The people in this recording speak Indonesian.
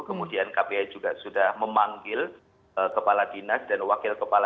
kemudian kpi juga sudah memanggil kepala dinas dan wakil kepala